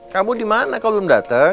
kamu dimana kau belum dateng